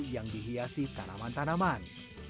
yang dihiasi tanaman tanaman